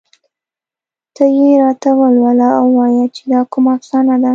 ته یې راته ولوله او ووايه چې دا کومه افسانه ده